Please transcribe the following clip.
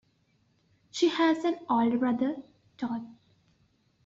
She has an older brother, Todd.